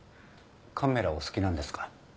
カメラお好きなんですか？